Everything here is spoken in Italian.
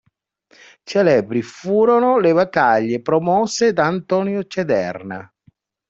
Celebri furono le battaglie promosse da Antonio Cederna.